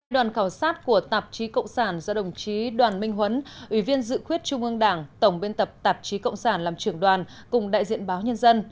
đoàn khảo sát của tạp chí cộng sản do đồng chí đoàn minh huấn ủy viên dự khuyết trung ương đảng tổng biên tập tạp chí cộng sản làm trưởng đoàn cùng đại diện báo nhân dân